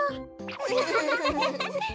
ウフフフフフ。